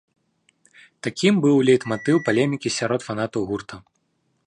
Такім быў лейтматыў палемікі сярод фанатаў гурта.